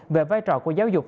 về vai trò của giáo dục